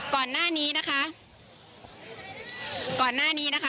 ก่อนหน้านี้นะคะก่อนหน้านี้นะคะ